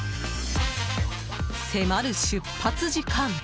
迫る出発時間。